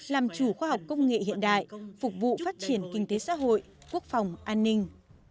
làm chủ khoa học công nghệ hiện đại phục vụ phát triển kinh tế xã hội quốc phòng an ninh